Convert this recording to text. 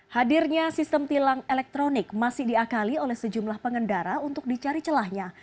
hadirnya sistem tilang elektronik masih diakali oleh sejumlah pengendara untuk dicari celahnya